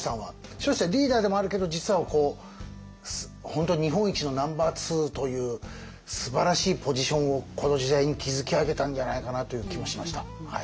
彰子さんリーダーでもあるけど実は本当に日本一のナンバーツーというすばらしいポジションをこの時代に築き上げたんじゃないかなという気もしました。